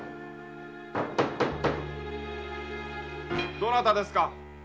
どなたですか？